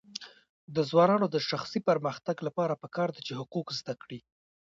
د ځوانانو د شخصي پرمختګ لپاره پکار ده چې حقوق زده کړي.